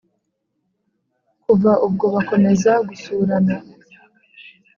kuva ubwo bakomeza gusurana,